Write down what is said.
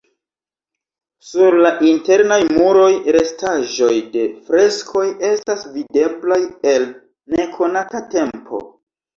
Sur la internaj muroj restaĵoj de freskoj estas videblaj el nekonata tempo.